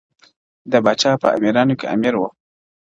د پاچا په امیرانو کي امیر وو-